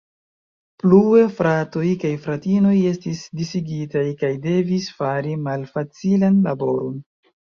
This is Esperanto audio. Plue, fratoj kaj fratinoj estis disigitaj kaj devis fari malfacilan laboron.